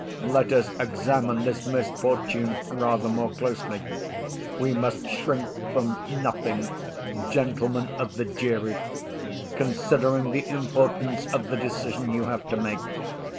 Let us examine this misfortune rather more closely: we must shrink from nothing, gentlemen of the jury, considering the importance of the decision you have to make.